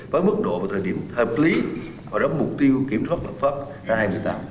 với mức độ và thời điểm hợp lý và đóng mục tiêu kiểm soát lãm pháp năm hai nghìn một mươi tám